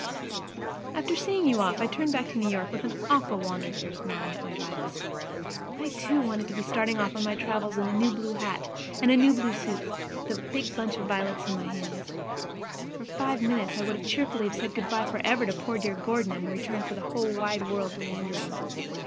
After seeing you off, I turned back to New York with an awful wander thirst gnawing at my vitals. I, too, wanted to be starting off on my travels in a new blue hat and a new blue suit with a big bunch of violets in my hand. For five minutes I would cheerfully have said good by forever to poor dear Gordon in return for the wide world to wander in.